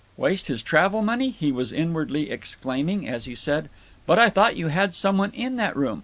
"Waste his travel money?" he was inwardly exclaiming as he said: "But I thought you had some one in that room.